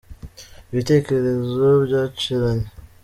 Ibitekerezo byanciranye